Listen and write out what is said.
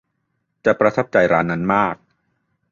จะประทับใจร้านนั้นมาก